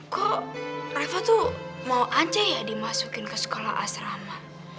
kok reva tuh mau aja ya dimasukin ke sekolah asrama